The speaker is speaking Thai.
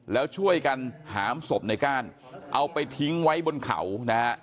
แล้วช่วยกันหามศพในก้านเอาไปทิ้งไว้บนเขานะฮะ